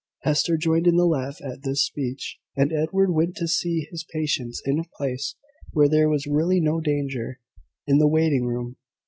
Hester joined in the laugh at this speech, and Edward went to see his patients in a place where there was really no danger in the waiting room.